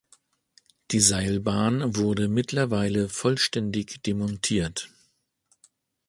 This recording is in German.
Die Seilbahn wurde mittlerweile vollständig demontiert.